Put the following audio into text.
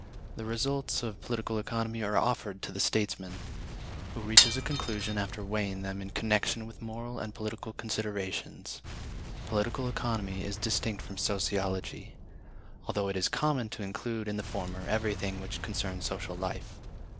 The results of political economy are offered to the statesman, who reaches a conclusion after weighing them in connection with moral and political considerations. Political Economy is distinct from Sociology; although it is common to include in the former everything which concerns social life.